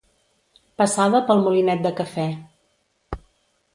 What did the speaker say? Passada pel molinet de cafè.